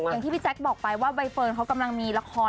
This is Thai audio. อย่างที่พี่แจ๊คบอกไปว่าใบเฟิร์นเขากำลังมีละคร